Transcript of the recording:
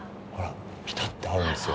ピタッと合うんですよ。